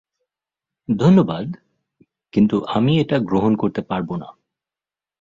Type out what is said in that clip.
ধন্যবাদ, কিন্তু আমি এটা গ্রহণ করতে পারবো না।